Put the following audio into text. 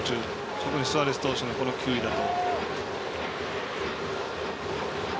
特にスアレス投手のこの球威だと。